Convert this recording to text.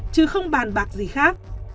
chứ không bàn bạc gì khác